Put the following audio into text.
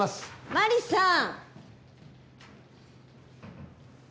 マリさーん